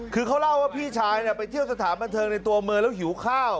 คือเขาเล่าว่าพี่ชายไปเที่ยวสถานบันเทิงในตัวเมืองแล้วหิวข้าว